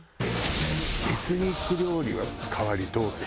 エスニック料理は代わりどうする？